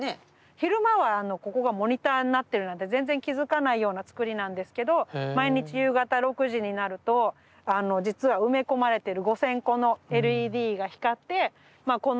昼間はここがモニターになってるなんて全然気付かないようなつくりなんですけど毎日夕方６時になると実は埋め込まれてる５，０００個のＬＥＤが光ってまあ